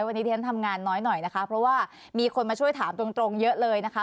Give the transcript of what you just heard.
วันนี้ที่ฉันทำงานน้อยหน่อยนะคะเพราะว่ามีคนมาช่วยถามตรงเยอะเลยนะคะ